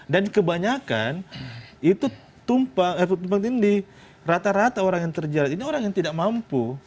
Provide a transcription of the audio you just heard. dan kebanyakan itu rata rata orang yang terjalani ini orang yang tidak mampu